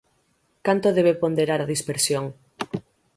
¿Canto debe ponderar a dispersión?